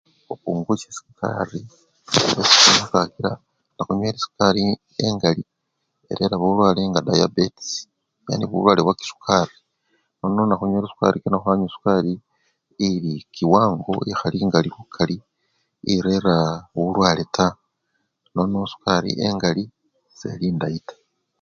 Khupungusya sukari esikhunywa kakila nekhunywele sukali engali erera bulwale nga dayabetis yani bulwale bwa sukali, nono nekhunywele sukali ekanibwa khwanywa sukali ili kiwango ekhali engali lukali irera bulwale taa, nono sukali engali seli endayi taa.